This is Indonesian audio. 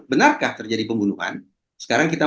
benarkah terjadi pembunuhan sekarang kita